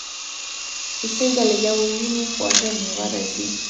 چې څنګه له یوې ونې خوږه میوه راځي.